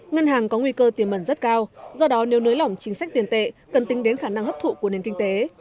ngân hàng có nguy cơ tiềm mẩn rất cao do đó nếu nới lỏng chính sách tiền tệ cần tính đến khả năng hấp thụ của nền kinh tế